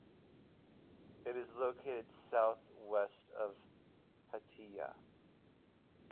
It is located south west of Hatiya.